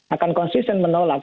akan konsisten menolak